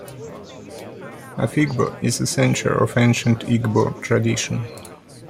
Afikpo is a centre of ancient Igbo tradition.